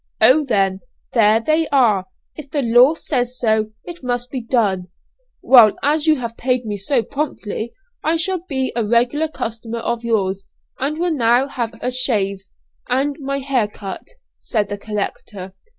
'Oh, then, there they are; if the law says so, it must be done.' 'Well, as you have paid me so promptly I shall be a regular customer of yours, and will now have a 'shave' and my hair cut,' said the collector.